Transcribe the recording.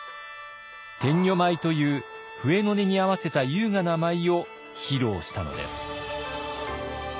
天女舞という笛の音に合わせた優雅な舞を披露したのです。